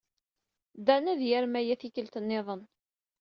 Dan ad yarem aya tikkelt niḍen.